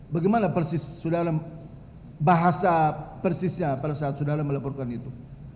bagaimana persis saudara bahasa persisnya pada saat saudara melaporkan itu